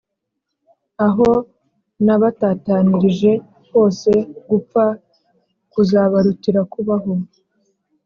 aho nabatatanirije hose gupfa kuzabarutira kubaho